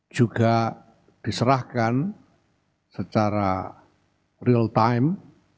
juga diserahkan secara real time